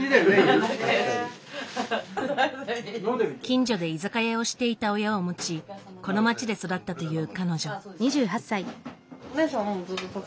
近所で居酒屋をしていた親を持ちこの街で育ったという彼女。